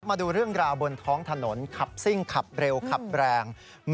มาดูเรื่องราวบนท้องถนนขับซิ่งขับเร็วขับแรง